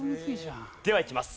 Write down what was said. ではいきます。